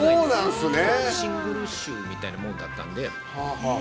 シングル集みたいなものだったので。